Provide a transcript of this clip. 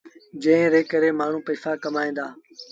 جݩهݩ ري ڪري مآڻهوٚٚݩ پئيٚسآ ڪمائيٚݩ دآ